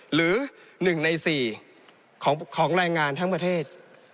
หรือ๑ใน๔ของแรงงานทั้งประเทศ